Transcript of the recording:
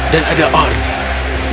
dan ada arnie